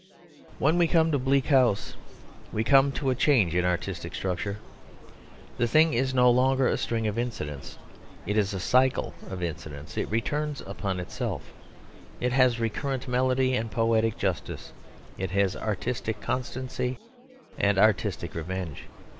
When we come to Bleak House, we come to a change in artistic structure. The thing is no longer a string of incidents; it is a cycle of incidents. It returns upon itself; it has recurrent melody and poetic justice; it has artistic constancy and artistic revenge.